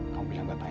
kamu bilang bapak ya